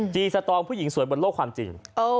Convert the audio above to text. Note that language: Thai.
สตองผู้หญิงสวยบนโลกความจริง